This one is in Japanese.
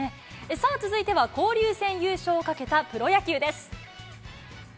さあ続いては、交流戦優勝をかけたプロ野球です。